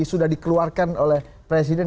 sudah dikeluarkan oleh presiden